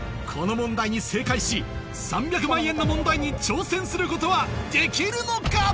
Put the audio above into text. この問題に正解し３００万円の問題に挑戦することはできるのか？